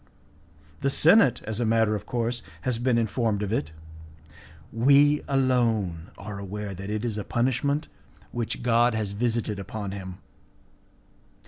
The senate, as a matter of course, has been informed of it. We alone are aware that it is a punishment which God has visited upon him.